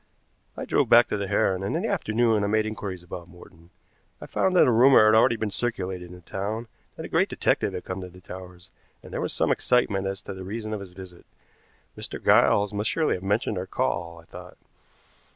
I drove back to the Heron, and in the afternoon I made inquiries about Morton. I found that a rumor had already been circulated in the town that a great detective had come to the Towers, and there was some excitement as to the reason of his visit. Mr. Giles must surely have mentioned our call, I thought.